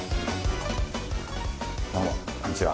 どうもこんにちは。